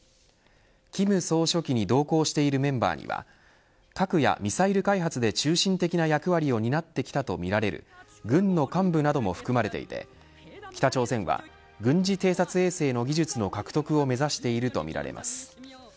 金総書記に同行しているメンバーには核やミサイル開発で中心的な役割を担ってきたとみられる軍の幹部なども含まれていて北朝鮮は軍事偵察衛星の技術の獲得を目指しているとみられます。